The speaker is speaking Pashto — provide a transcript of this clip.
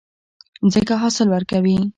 ځمکه حاصل ورکوي.